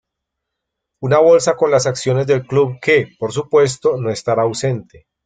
Una bolsa con las acciones del club que, por supuesto, no estará ausente.